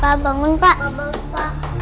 pak bangun pak